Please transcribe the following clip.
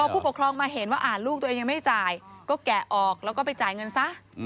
ผู้ปกครองมาเห็นว่าลูกตัวเองยังไม่จ่ายก็แกะออกแล้วก็ไปจ่ายเงินซะ